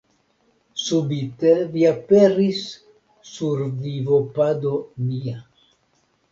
Subite vi aperis sur vivopado mia.